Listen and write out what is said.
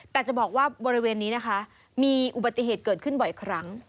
แต่จะบอกว่าบริเวณนี้นะคะมีอุบัติเหตุเกิดขึ้นบ่อยครั้ง